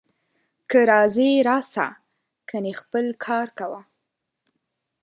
که راځې راسه، کنې خپل کار کوه